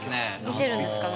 見てるんですか？